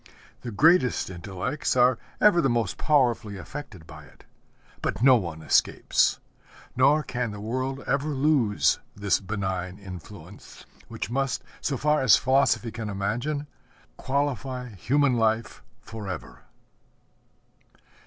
The greatest intellects are ever the most powerfully affected by it; but no one escapes. Nor can the world ever lose this benign influence, which must, so far as philosophy can imagine, qualify human life forever.